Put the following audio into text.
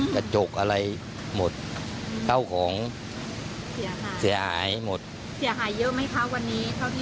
กระจกอะไรหมดเข้าของเสียหายเสียหายหมดเสียหายเยอะไหมคะวันนี้เท่าที่